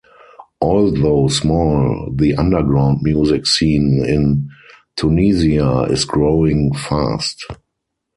Although small, the underground music scene in Tunisia is growing fast.